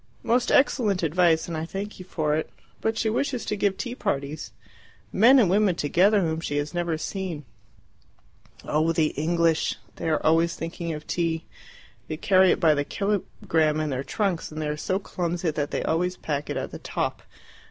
"Most excellent advice, and I thank you for it. But she wishes to give tea parties men and women together whom she has never seen." "Oh, the English! they are always thinking of tea. They carry it by the kilogramme in their trunks, and they are so clumsy that they always pack it at the top.